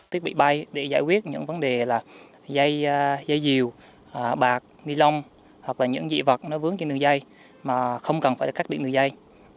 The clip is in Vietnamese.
thiết bị bay để giải quyết những vấn đề là dây diều bạc ni lông hoặc là những dị vật nó vướng trên đường dây mà không cần phải cắt điện đường dây